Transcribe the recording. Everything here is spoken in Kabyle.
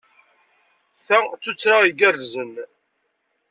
Ta d tuttra igerrzen.